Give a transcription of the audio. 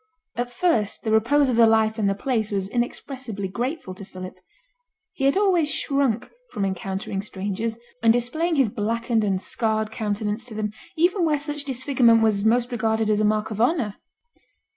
At first the repose of the life and the place was inexpressibly grateful to Philip. He had always shrunk from encountering strangers, and displaying his blackened and scarred countenance to them, even where such disfigurement was most regarded as a mark of honour.